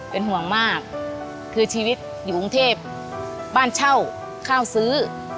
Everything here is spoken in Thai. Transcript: เป็นห่วงมากคือชีวิตอยู่กรุงเทพบ้านเช่าข้าวซื้อ